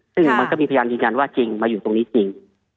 ซึ่งมันก็มีพยานยืนยันว่าจริงมาอยู่ตรงนี้จริง